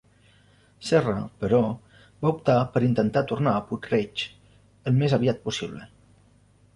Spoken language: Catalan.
Serra, però, va optar per intentar tornar a Puig-reig al més aviat possible.